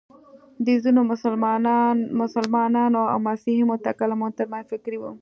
د ځینو مسلمانو او مسیحي متکلمانو تر منځ فکري وه.